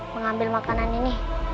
mengambil makanan ini